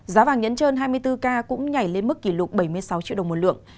giá vàng nhẫn trơn hai mươi bốn k cũng nhảy lên mức kỷ lục bảy mươi sáu triệu đồng một lượng